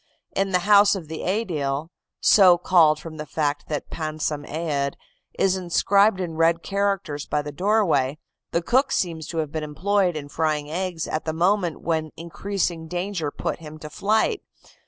In the house of the Aedile so called from the fact that 'Pansam Aed.' is inscribed in red characters by the doorway the cook seems to have been employed in frying eggs at the moment when increasing danger put him to flight.